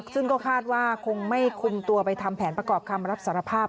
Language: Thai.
ซึ่งก็คาดว่าคงไม่คุมตัวไปทำแผนประกอบคำรับสารภาพ